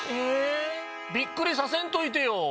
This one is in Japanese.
えびっくりさせんといてよ。